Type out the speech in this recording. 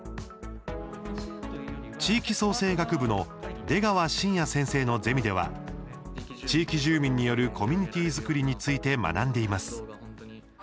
地域創生学部の出川真也先生のゼミでは地域住民によるコミュニティー作りについて学んでいます。